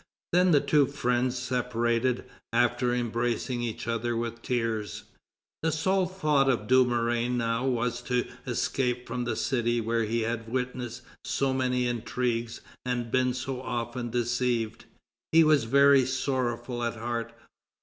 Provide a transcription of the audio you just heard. Then the two friends separated, after embracing each other with tears. The sole thought of Dumouriez now was to escape from the city where he had witnessed so many intrigues and been so often deceived. He was very sorrowful at heart.